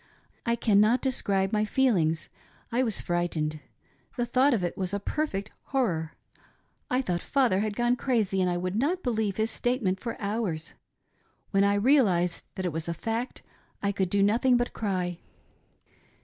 I cannot describe my feelings ; I was frightened. The thought of it was a per fect horror. I thought father had gone crazy, and I would not believe his statement for hours. When I realised that it was <t fact I could do nothing but cry.